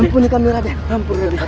ampuni kami raden